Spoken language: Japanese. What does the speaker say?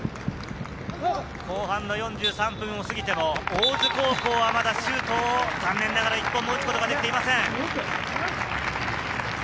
後半の４３分を過ぎても、大津高校はまだシュートを残念ながら１本も打つことができていません。